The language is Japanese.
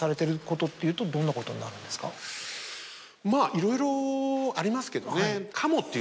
まぁいろいろありますけどね。